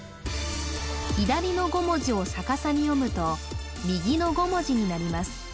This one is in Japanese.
左の５文字を逆さに読むと右の５文字になります